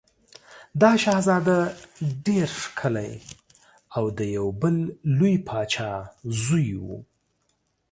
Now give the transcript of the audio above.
دا شهزاده ډېر ښکلی او د یو بل لوی پاچا زوی و.